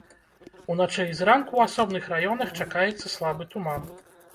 Уначы і зранку ў асобных раёнах чакаецца слабы туман.